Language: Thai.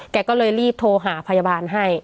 แกก็เลยรีบโทรหาพยาบาลให้